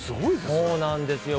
そうなんですよ。